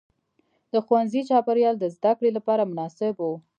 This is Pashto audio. د ښوونځي چاپېریال د زده کړې لپاره مناسب و.